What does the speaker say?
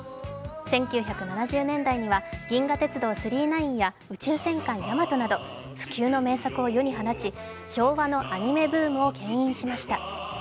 １９７０年代には「銀河鉄道９９９」や「宇宙戦艦ヤマト」など不朽の名作を世に放ち、昭和のアニメブームをけん引しました。